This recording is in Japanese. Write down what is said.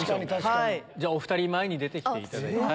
じゃお２人前に出ていただいて。